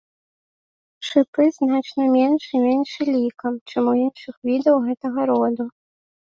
Шыпы значна менш і меншы лікам, чым у іншых відаў гэтага роду.